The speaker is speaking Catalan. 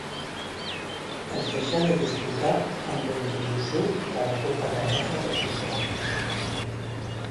Es deixà de disputar amb la introducció de la Copa danesa de futbol.